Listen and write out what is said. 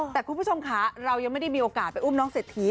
แต่คุณผู้ชมค่ะเรายังไม่ได้มีโอกาสไปอุ้มน้องเศรษฐี